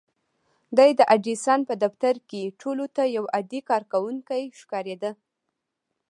دی د ايډېسن په دفتر کې ټولو ته يو عادي کارکوونکی ښکارېده.